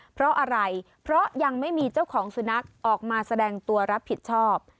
เพราะอะไรเพราะยังไม่มีเจ้าของสุนัขออกมาแสดงตัวรับผิดชอบ